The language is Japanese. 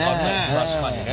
確かにね。